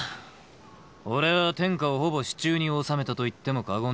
俺は天下をほぼ手中に収めたと言っても過言ではない。